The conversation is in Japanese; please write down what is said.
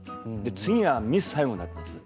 次は「ミス・サイゴン」だったんです。